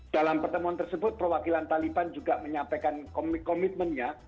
dalam pertemuan tersebut perwakilan taliban juga menyampaikan komitmennya